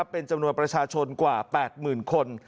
เป็นจำนวนประชาชนกว่า๘๐๐๐คน